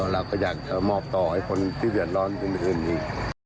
เราก็อยากจะมอบต่อเลยคนที่เปลี่ยนร้อนขึ้นเป็นอย่างอื่นนี้